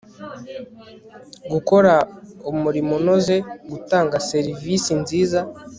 gukora umurimo unoze, gutanga serevisi nziza